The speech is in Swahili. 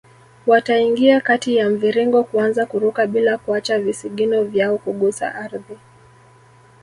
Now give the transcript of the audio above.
Wataingia kati ya mviringo kuanza kuruka bila kuacha visigino vyao kugusa ardhi